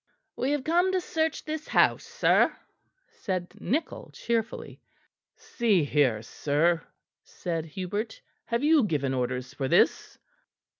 "We have come to search this house, sir," said Nichol cheerfully. "See here, sir," said Hubert, "have you given orders for this?"